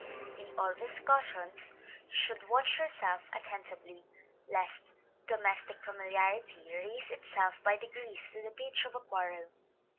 In all discussions you should watch yourself attentively, lest domestic familiarity raise itself by degrees to the pitch of a quarrel.